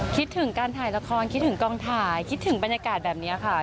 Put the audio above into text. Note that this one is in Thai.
คิดถึงการถ่ายละครคิดถึงกองถ่ายคิดถึงบรรยากาศแบบนี้ค่ะ